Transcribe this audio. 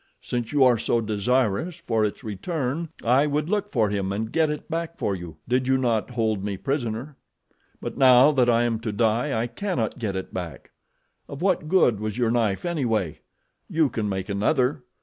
Since you are so desirous for its return I would look for him and get it back for you, did you not hold me prisoner; but now that I am to die I cannot get it back. Of what good was your knife, anyway? You can make another.